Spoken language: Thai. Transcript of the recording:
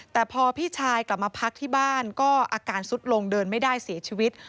แต่พอพี่ชายกลับมาพักที่บ้านก็อาการสุดลงเดินไม่ได้เสียชีวิต